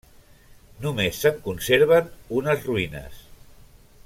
Només se'n conserven unes ruïnes.